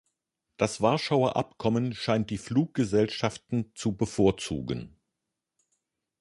Das Warschauer Abkommen scheint die Fluggesellschaften zu bevorzugen.